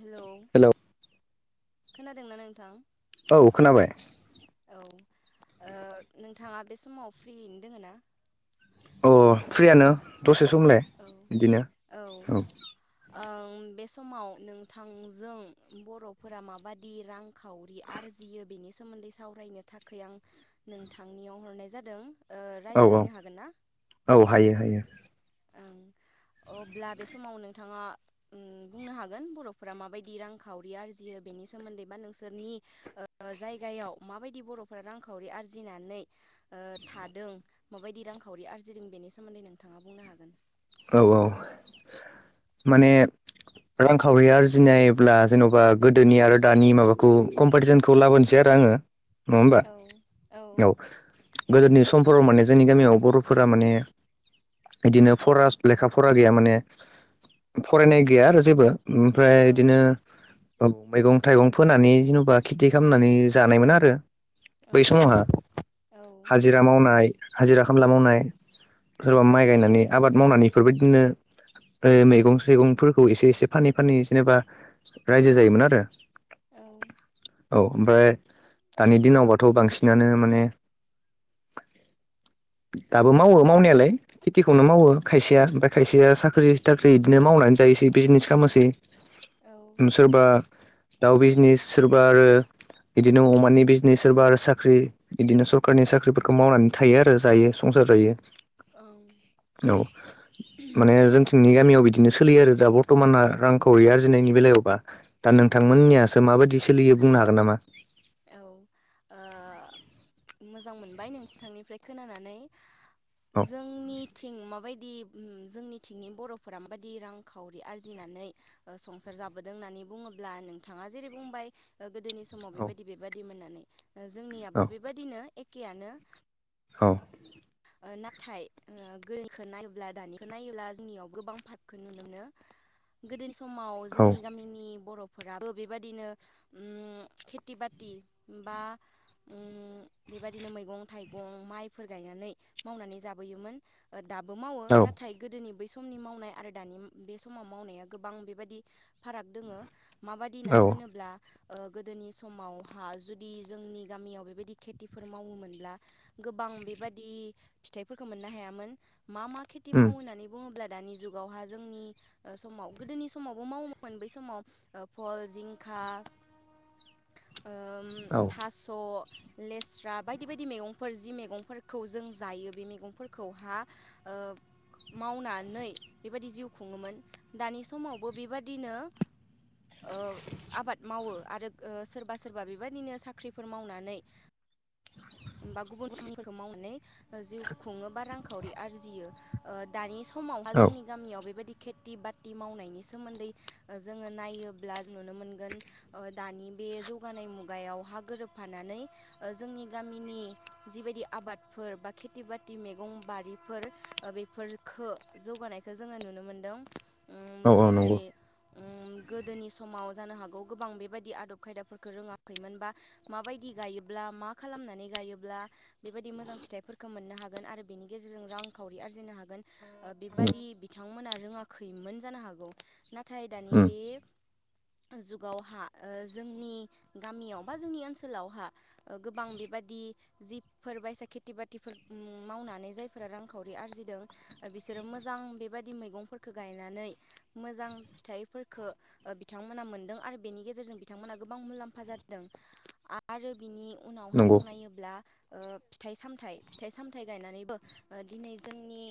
Hello hello खोनादोंना नोंथां? औ अखोनाबाय। औ नोंथाङा बे समाव फ्रियैनो दोङो ना? अओ फ्रियानो दसे समलाय औ बिदिनो औ ओम बे समाव नोंथांजों बर'फोरा माबादि रांखावरि आरजियो बेनि सोमोन्दै सावरायनो थाखोइ आं नोंथांनिआव हरनाय जादों ओ औ औ रायज्लायनो हागोन औ हायो हायो ओम अब्ला बे समाव नोंथांआ बुंनो हागोन बर'फोरा माबायदि रांखावरि आरजियो बेनि सोमोन्दै बा नोंसोरनि ओ जायगायाव माबायदि बर'फोरा रांखावरि आरजिनानै ओ थादों माबायदि रांखावरि आरजिदों बेनि सोमोन्दै नोंथाङा बुंनो हागो औ औ ओ माने रांखावरि आरजिनायब्ला जेन'बा गोदोनि आरो दानि माबाखौ कमफेटिसनखौ लाबोनोसै आरो आङो नङा होमबा औ औ गोदोनि समफोराव माने जोंनि गामियाव बर'फोरा माने बिदिनो फरास लेखा फरा गैया माने फरायनाय गैया आरो जेबो ओमफ्राय औ बिदिनो ओ मैगं थाइगं फोनानै जेनोबा खेथि खालामनानै जानायमोन आरो औ बै समहा औ हाजिरा मावनाय हाजिरा खामला मावनाय औ सोरबा माइ गायनानै आबाद मावनानै इफोरबायदिनो मैगं सौइगंफोरखौ एसे एसे फानै फानै जेनेबा रायजो जायोमोन आरो औ औ ओमफाइ दानि दिआवबाथ' बांसिनानो माने दाबो मावो मावनायालाय खेथिखौनो मावो खायसेया ओमफाय खायसेया साख्रि थाख्रि बिदिनो मावनानै जायोसै बिजिनेस खालामोसै सोरबा दाउ बिजिनेस सोरबा आरो बिदिनो अमानि बिजिनेस सोरबा आरो साख्रि बिदिनो सोरखारनि साख्रिफोरखौ मावनानै थायो आरो जायो संसार ज जायो औ औ माने जोंथिंनि गामियाव बिदिनो सोलियो आरो दा बररथमाना रांखावरि आरजिनायनि बेलायावबा दा ओं नोंथांमोननियासो माबायदि सोलियो बुंनो हागोन नामा? औ ओ मोजां मोनबाय नोंथथांनिफ्राय खोनानानै औ जोंनिथिं माबायदि जोंनिथिंनि बर'फोरा माबायदि रांखावरि आरजिनानै संसार जाबोदों होननानै बुङोब्ला अब्ला नोंथाङा जेरै बुंबाइ गोदोनि समाव औ बेबायदि बेबायदि मोन होननानै जोंनियाबो बेबायदिनो एखेयानो औ नाथाय गोदोखौ नायोब्ला दानिखौ नायोब्ला जोंनियाव गोबां पारखौ नुनो मोनो गोदोनि समाव जोंनि गामिनि बर' फोराबो बेबायदिनो खेथि बाथि बा बेबायदिनो मैगं थाइगं माइफोर गायनानै मावनानै जाबोयोमोन दाबो मावो औ नाथाय गोदोनि बै सम समनि मावनाय आरो दानि बे समाव मावनाया गोबां बेबायादि फाराग दं माबादि औ होननानै होनोब्ला ओ गोदोनि समावहा जुदि जोंनि गामियाव बेबायदि खेथिफोर मावोमोनब्ला गोबां गोबां बेबादि फिथायफोरखौ मोननो हायामोन मा मा खेथि उम मावो होननानै बुडोब्ला दानि जुगावहाय जोंनि समाव गोदोनि समावबो मावोमोन बै समाव फल जिंखा था [inaudible] ओम औ थास' लेस्रा बायदि बायदि मैगंफोर जि मैगंफोरखौ जों जायो बे मैगंफोरखौहा ओ मावनानै बिबायदि जिउ खुङोमोन दानि समावबो बेबादिनो ओ आबाद मावो आरो ओ सोरबा सोरबा बेबदिनो साख्रिफोर मावनानै होमबा गुबुन खामानिफोरखौ मावनानै जिउ खुङो बा रांखावरि आरजियो ओ दानि समावहा जोंनि औ गामियाव बेबायदि खेथि बाथि मावनायनि सोमोन्दै जोङो नायोब्ला नुनो मोनगोन ओ दानि बे जौगानाय मुगायाव हा गोरोबफानानै जोंनि गामिनि जिबायदि आबादफोर बा खिथि बाथि मैगं बारिफोर बेफोरख जौगानायखौ जोङो नुनो मोनदों उ औ जेरै नंगौ उ गोदोनि समाव जानो हागौ गोबां बेबायदि आदब खायदाफोरफोरखौ रोङाखैमोन बा माबायदि गायोब्ला मा खालामनानै गायोब्ला बेबादि मोजां फिथाइफोर खो मोननो हागोन आरो बेनि गेजेरजों रांखावरि आरजिनो हागोन उम बेबादि बिथांमोना रोङाखैमोन जानो हागौ नाथाय दानि उम बे जुगावहा जोंनि गामियाव बा जोंनि ओनसोलावहा गोबां बेबायदि दि जिबफोरबायसा खिथि बाथि फोर मावनानै जायफोरा रांखावरि आरजिदों बिसोरो मोजां बेबायादि मैगंफोरखौ गाय नानै मोजां फिथाइफोरखौ ओ बिथांमोना मोनदों आरो बेनि गेजेरजों बिथांमोना गोबां मुलाम्फा जादों आरो बिनि उनावहा नंगौ जों नायोब्ला ओ फिथाइ सामथाइ फिथाइ सामथायाइ गायनानैबो दिनै जोंनि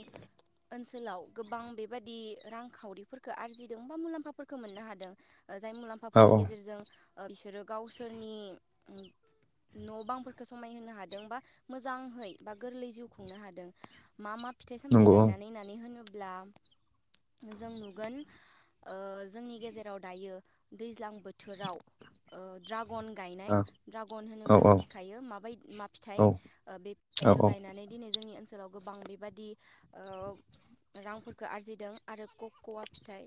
ओनसोलाव गोबां बेबादि रांखावरिफोरखौ आरजिदों बा मुलाम्फाफोरखौ मोननो हादों जाय औ मुलाम्फाफोरनि औ गेजेरजों ओ बिसोरो गावसोरनि न' बांफोरखौ समायहोनो हादोंबा मोजांहै बा गोरलै जिउ खुंनो हादों मा मा फिथाइ सामथायाइ नंगौ औ गायनानै नायनानै होनोब्ला जों नुगोन ओ जोंनि गेजेराव दायो दैज्लां बोथोराव ओ दड्रागन गायनाय औ ड्रागन औ होनोब्ला मिथिखायो माबाय मा फिथाइ ओ बे औ फिथाइखौ गायनानै दिनै जोंनि ओनसोलाव गोबां बेबादि रांफोरखौ आरजिदों आरो कख'वा फिथाइ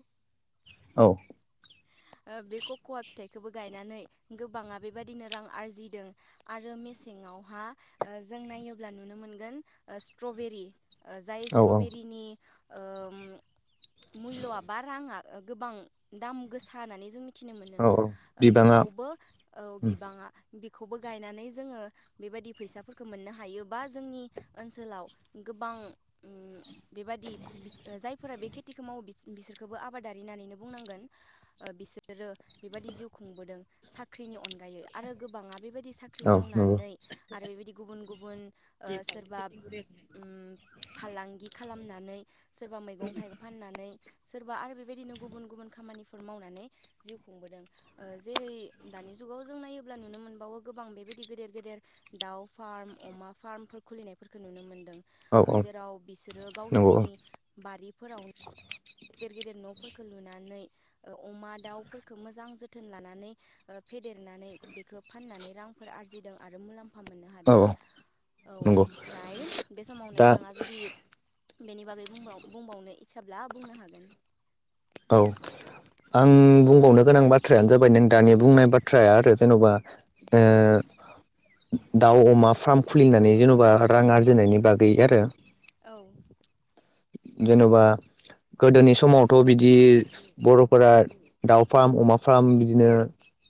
ओ बे कख'वा फिथाइ खोबो गनायनानै गोबांङा बादिनो रां आरजिदों आरो मेसेङावहा जों नायोब ब्ला नुनो मोनगोन स्त्रभेरी ओ जाय औ स्त्रबेरिनि ओ म मुल्यआ बा राङा गोबां दाम गोसा होननानै जों मिथिनो मोनो औ औ बिबाङा बेखौबो औ उम बिबाङा बि बांखौबो गायनानै जोङो बेबायदि फैसाफोरखौ मोननो हायो। बा जोंनि ओनसोलाव गोबां बेबादि बिस जायफोरा बेखे खेथिखौ मावो बिसोरखौबो आबादारि होननानैनो बुंनांगोन ओ बिसोरो बेबादि जिउ खुंबोदों साख्रिनि अनगायै आरो गोबाङा बेबायदि साख्रि औ नंगौ मावनानै आरो बेबायदि गुबुन गुबुन ओ सोरबा उम फालांगि खालामनानै सोरबा मैगं थाइगं फाननानै सोरबा आरो बेबायदिनो गुबुन गुबुन खामानिफोर मावनानै जिउ खुंबोदों जेरै दानि जुगाव जों नायोब्ला नुनो मोनबावो गोबां बेबायदि गेदेर गेदेर दाउ फार्म अमा फार्मफोर खुलिनायफोरखौ नुनो औ मोनो औ जेराव बिसोरो नंगौ गावसोरनि बारिफोरावनो गदेर गिदेर न' फोर लुनानै अमा दाउफोरखौ मोजां जोथोन लानानै ओ फेदेरनानै फाननानै रांफोर आरजिदों आरो मुलाम्फा मोननो औ औ हादों औ नंगौ ओमफ्राय बे समाव दा नोंथाङा जुदि बेनि बागैब बुंबावनो इस्साब्ला बुंनो हागोन औ आं बुंबावनो गोनां बाथ्रायानो जाबाय नों दानि बुंनाय बाथ्राया आरो जेन'बा ओ औ दाउ अमा फार्म खुलिनानै जेन'बा रां आरजिनायनि बागै आरो औ जेन'बा गोदोनि समावथ बिदि बरफोरा दाउ फार्म अमा फार्म बिदिनो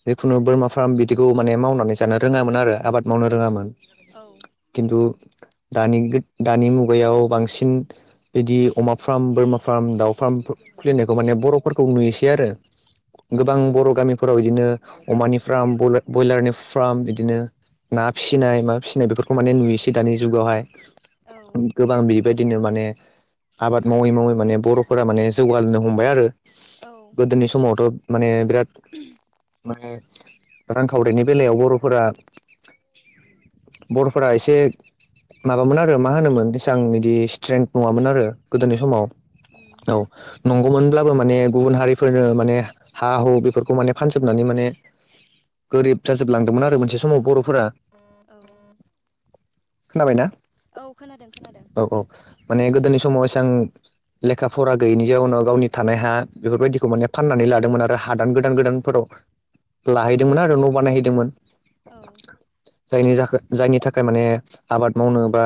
जिखुनु बोरमा फार्म बिदिखौ माने मावनानै जानो रोंङामोन आरो आबाद मावनो रोंङामोन औ खिन्थु दानि दानि मुगायाव बांसिन बिदि अमा फार्म बोरमा फार्म दाउ फार्म खुलिनायखौ माने बरफोरखौ नुयोसै आरो गोबां औ बरगामिफोराव बिदिनो अमानि फार्म ब्रयलारनि फार्म बिदिनो ना फिसिनाय माबा फिसिनाय बेफोरखौ माने नुयोसै दानि जुगावहाय गोबां बेबायदिनो माने आबाद मावै मावै माने बर'फोरा माने जौगालांनो हमबाय आरो औ गोदोनि समावथ माने बिराद माने रांखावरिनि बेलायाव बरफोरा बरफोरा एसे माबामोन आरो मा होनोमोन बेसबां बिदि स्ट्रेंथ नंङामोन आरो गोदोनि औ समाव उम औ नंगौमोनब्लाबो माने गुबुन हारिफोरनो माने हा हु बेफोरखौ माने फानजोबनानै माने गोरिब जाजोबलांदोंमोन आरो मोनसे समाव बरफोरा औ खोनाबायना औ खोनादों खोनादों औ औ माने गोदोनि समाव एसां लेखा फरा गैयिनि जाउनाव गावनि थानाय हा बेफोरबायदिखौ माने फाननानै लादोंमोन आरो हादान गोदान गोदानफोराव लाहैदोंमोन आरो न बानायहैदोंमोन औ जायनि थाखाय जायनि थाखाय माने आबाद मावनो बा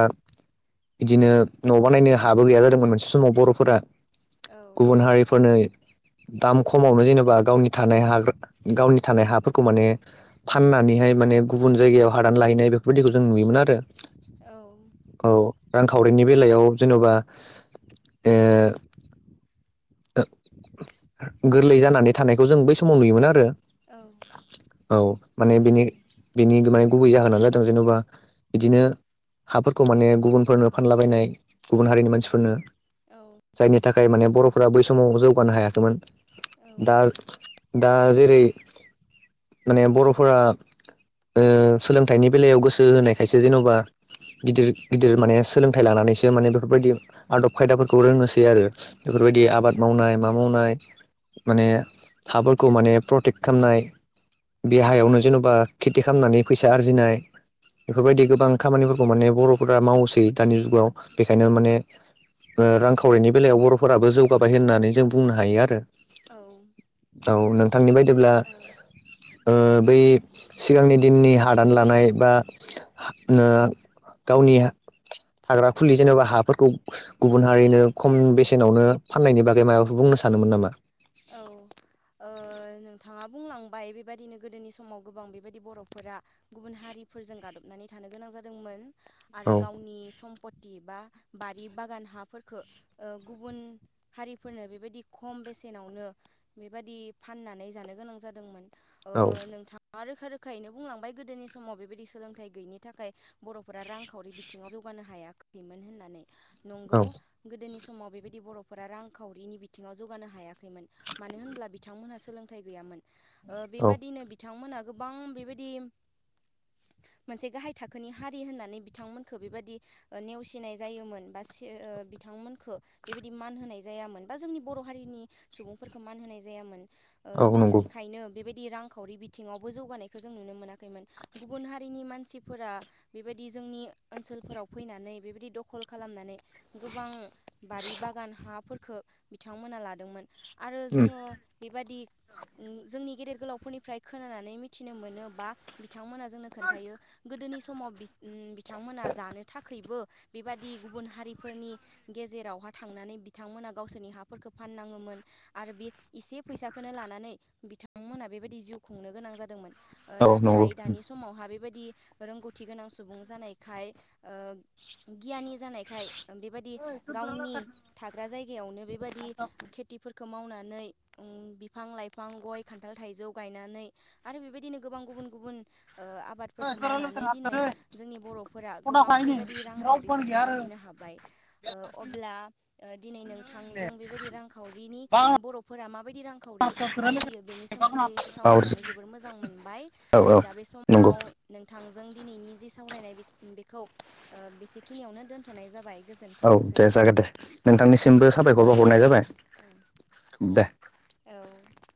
बिदिनो न' ब नायनो हाबो गैया जादों जोंमोन मोनसे समाव बरफोरा औ गुबुन हारिफोरनि [inaudible] दाम खमावनो जेनेबा गावनि थानाय हा गावनि थानाय हाफोरखौ माने फाननानैहाय माने गुबुन जायगायाव हादान लाहैनाय बेफोरबायदिखौ जों नुयोमोन आरो औ औ रांखावरिनि बेलायाव जेनबा ओ [inaudible] गोरलै जानानै थानायखौ जों बै समाव नुयोमोन आरो औ औ माने बेनि बेनि माने गुबै जाहोनानो जादों जेनेबा बिदिनो हाफोरखौ माने गुबुनफोरनो फानलाबायनाय गुबुन हारिनि मानसिफोरनो जायनि थाखाय माने बरफोरा बै समाव जौगानो हायाखैमोन दा औ दा जेरै माने बरफोरा ओ सोलोंथाइनि बेलायाव गोसो होनायखायसो जेनबा गिदिर गिदिर माने सोलोंथाइ लानानैसो माने बेफोरबायदि आदब खायदाफोरखौ रोंनोसै आरो बेफोरबायदि औ आबाद मावनाय मा मावनाय माने हाफोरखौ माने प्रटेक्ट खालामनाय देहायावनो जेनबा खेथि खालामनानै फैसा आरजिनाय उम बेफोरबायदि गोबां खामानि माने बरफोरा मावसै दानि जुगाव बेखायनो उम माने रांखावरिनि बेलायाव बरफोराबो जौगाबाय होननानै जों बुंनो हायो आरो औ औ नोंथांनि बायदिब्ला औ ओ बै सिगांनि दिननि हादान लानाय बा ओ गावनि हाग्रा खुलि जेनेबा हाफोरखौ गुबुन हारिनो खम बेसेनावनो फाननायनि बागै माबाफोर बुंनो सानोमोन नामा औ ओ नोंथाङा बुंलांबाय बेबायदिनो गोदोनि समाव गोबां बेबायदि बर'फोरा गुबुन हारि फोरजों गादबनानै थानो गोनां जादोंमोन औ आरो गावनि सम्पति बा बारि बागान हाफोरखो गुबुन हारिफोरनो बेबायदि खम बेसे एनावनो बेबादि फाननानै जानो गोनां जादोंमोन ओ औ नोंथा आ रोखा रोख खायैनो बुंलांबाय गोदोनि समाव बेबायदि सोलोंथाइ गैयिनि थाखाय बर'फोरा रांखावरि बिथिङाव जौगानो हाया फिमोन होननानै नंगौ गोदोनि समाव बेबायदि बर'फोरा रांखावरिनि बिथिङाव जौगानो हाया खैमोन मानो होनब्ला बिथांमोनहा सोलोंथाइ गैयामोन ओ औ बेबादिनो बिथांमोनहा गोबां बेबादि मोनसे गाहाय थाखोनि हारि होननानै बिथांमोनखो बेबादि ओ नेवसिनाय जायोमोन बासि ओ ओ बिथांमोनखो बेबायदि मान होनाय जायामोन बा जोंनि बर' हारिनि सुबुंफोरखो मान होनाय जायामोन। औ ओ नंगौ बिनिखायनो बेबा यदि रांखावरि बिथिङावबो जौगानायखौ जों नुनो मोनाखैमोन। गुबुन हारिनि मानसिफोरा बेबायदि जोंनि ओनसोलफोराव फैनानै बेबायदि दखल खालामनानै गोबां बारि बागान हाफोरखो बिथांमोना लादोंमोन। आरो उम जोङो बेबादि ओ जोंनि गेदेर गोलावफोरनिफ्राय खोनानानै मिथिनो मोनो बा बिथि बिथांमोना जोंनो खोन्थायो गोदोनि समाव बिसथ उ बिथांमोना जानो थाखैबो बेबादि गुबुन हारिफोरनि गेजेरावहा थांनानै बिथांमोना गावसोरनि हाफोरखो फाननाङोमोन। आरो बे एसे फैसाखोनो लानानै बिथांमोना बेबायदि जिउ खुंनो गोनां जादोंमोन। ओ औ नंगौ नाथाय दानि समावहा बेबादि दि रोंगौथि गोनां सुबुं जानायखाय ओ गियानि जानायखाय बेबादि गावनि थाग्रा जायगायावनो बेबादि खेथिफोर खो मावनानै उं बिफां लाइफां गय, खान्थाल, थाइजौ गायनानै आरो बेबायदिनो गोबां गु गुबुन गुबुन ओ आबादफोरखो मावनानै दिनै जोंनि बर'फोरा गोबां बेबादि रांखावरिफोरखौ आरजिनो हाब बाय। ओ अब्ला दिनै नोंथांजों बेबादि रांखावरिनि बर'फोरा मा बायदि रांखावरि आरजियो बेनि सोमोन्दै औ सावरायनानै जोबोर मोजां मोनबाय। ओ औ दा बे समा नंगौ व नोंथांजों दिनैनि जि सावरायनाय बिच- बेखौ ओ बेसेखिनियावनो दोनथ'नाय जाबाय। औ गोजोनथोंसै। दे जागोन दे नोंथांनिसिमबो साबायखर बाउहरनाय जाबाय। दे [unintelligible] औ।